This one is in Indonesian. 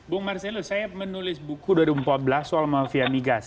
bung marcelo saya menulis buku dua ribu empat belas soal mafia migas